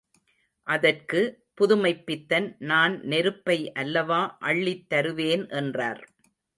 அதற்கு, புதுமைப்பித்தன் நான் நெருப்பை அல்லவா அள்ளித் தருவேன் என்றார்.